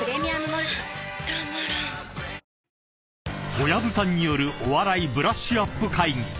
［小籔さんによるお笑いブラッシュアップ会議］